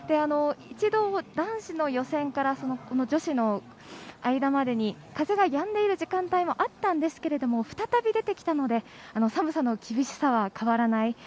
一度、男子の予選から女子の間までに風がやんでいる時間帯もあったんですけれども再び出てきたので寒さの厳しさは変わらない。